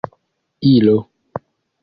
ilo